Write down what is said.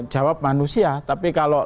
jawab manusia tapi kalau